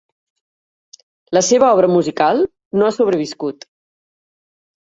La seva obra musical no ha sobreviscut.